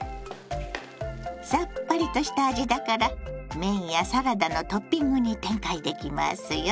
さっぱりとした味だから麺やサラダのトッピングに展開できますよ。